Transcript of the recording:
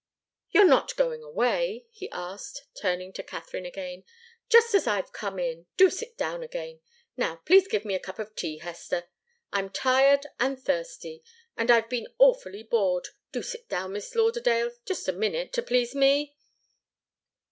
"You're not going away?" he asked, turning to Katharine again. "Just as I've come in. Do sit down again! Now, please give me a cup of tea, Hester I'm tired and thirsty and I've been awfully bored. Do sit down, Miss Lauderdale! Just a minute, to please me!"